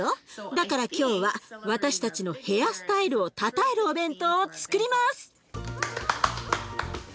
だから今日は私たちのヘアースタイルをたたえるお弁当をつくります！